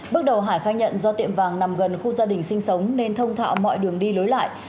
bước đầu hải khai nhận do tiệm vàng nằm gần khu gia đình sinh sống nên thông thạo mọi đường đi lối lại